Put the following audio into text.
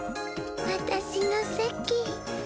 わたしのせき。